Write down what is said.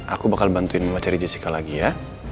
aku bakal bantuin sama cari jessica lagi ya